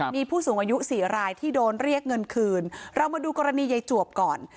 มีผู้สูงอายุสี่รายที่โดนเรียกเงินคืนเรามาดูกรณียายจวบก่อน